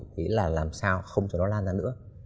thế là làm sao không cho nó lan ra nữa